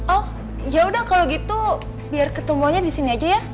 oh yaudah kalo gitu biar ketemuannya disini aja ya